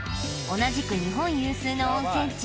同じく日本有数の温泉地